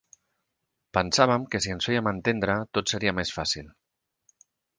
Pensàvem que si ens fèiem entendre tot seria més fàcil.